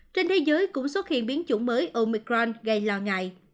trên thế giới cũng xuất hiện biến chủng mới omicron gây lo ngại